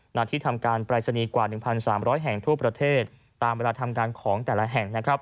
หน้าที่ทำการปรายศนีย์กว่า๑๓๐๐แห่งทั่วประเทศตามเวลาทำการของแต่ละแห่ง